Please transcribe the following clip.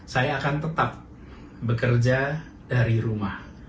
saya akan tetap bekerja dari rumah